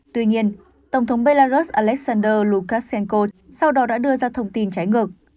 tuy nhiên tổng thống belarus alexander lukashenko sau đó đã đưa ra thông tin trái ngược